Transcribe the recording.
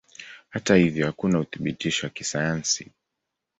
Hata hivyo hakuna uthibitisho wa kisayansi.